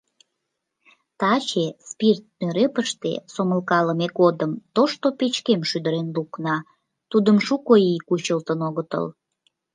— Таче спирт нӧрепыште сомылкалыме годым тошто печкем шӱдырен лукна, тудым шуко ий кучылтын огытыл.